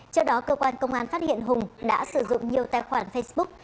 trước đó cơ quan công an phát hiện hùng đã sử dụng nhiều tài khoản facebook